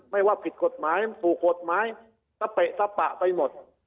ไม่ว่าผิดกฎหมายถูกกฎหมายตะเปะตะปะไปหมด